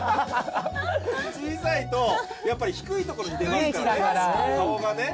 小さいとやっぱり低い所に出ますからね顔がね。